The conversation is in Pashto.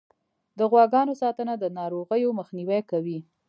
د غواګانو ساتنه د ناروغیو مخنیوی کوي.